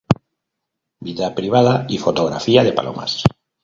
Vida privada y fotografía de palomas.